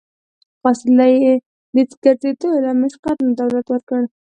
قاصد له یې د ګرځېدو له مشقت نه دولت ورکړ.